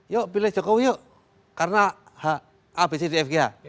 yuk pilih jokowi yuk karena abcdfgh